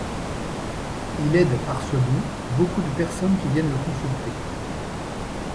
Il aide par ce don beaucoup de personnes qui viennent le consulter.